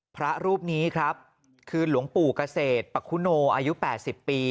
พระรูปนี้ครับคือหลวงปู่เกษตรปะคุโนอายุ๘๐ปี